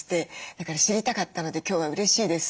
だから知りたかったので今日はうれしいです。